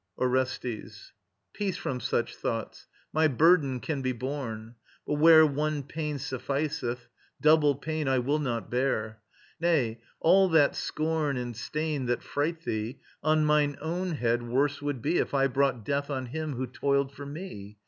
ORESTES. Peace from such thoughts! My burden can be borne; But where one pain sufficeth, double pain I will not bear. Nay, all that scorn and stain That fright thee, on mine own head worse would be If I brought death on him who toiled for me.